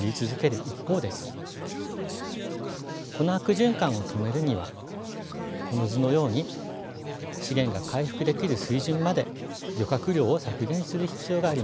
この悪循環を止めるにはこの図のように資源が回復できる水準まで漁獲量を削減する必要があります。